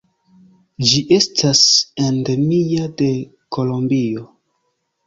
Ĝi estas endemia de Kolombio.